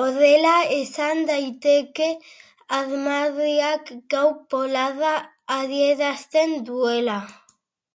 Horrela, esan daiteke armarriak gau polarra adierazten duela.